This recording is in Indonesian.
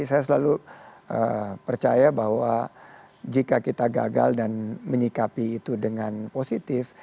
saya selalu percaya bahwa jika kita gagal dan menyikapi itu dengan positif